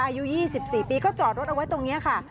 อายุ๒๔ปีก็จอดรถเอาไว้ตรงนี้ค่ะ